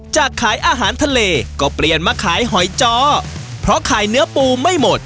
ขายอาหารทะเลก็เปลี่ยนมาขายหอยจอเพราะขายเนื้อปูไม่หมด